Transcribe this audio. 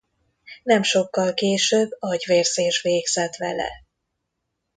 Nem sokkal később agyvérzés végzett vele.